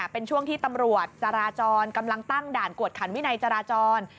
เป็นช่วงที่ตำรวจจราจรกำลังตั้งด่านกวดขันวินัยจราจร